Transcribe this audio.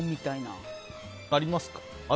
ありますか？